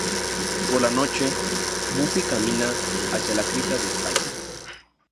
Por la noche, Buffy camina hacia la cripta de Spike.